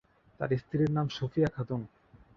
তার স্ত্রীর নাম সুফিয়া খাতুন।